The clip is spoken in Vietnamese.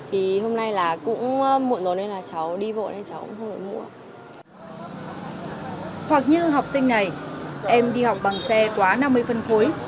hoặc như học sinh này em đi học bằng xe quá năm mươi phân khối